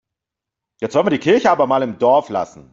Jetzt wollen wir die Kirche aber mal im Dorf lassen.